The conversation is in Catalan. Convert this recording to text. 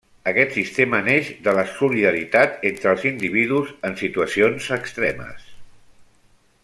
Aquest sistema neix de la solidaritat entre els individus en situacions extremes.